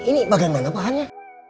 ini bagaimana bahannya